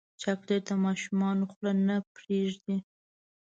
چاکلېټ د ماشوم خوله نه پرېږدي.